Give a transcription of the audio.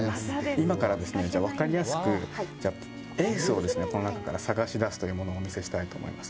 今からわかりやすく、エースをこの中から探しだすというものをお見せしたいと思います。